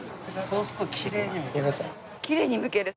そうするときれいにむける。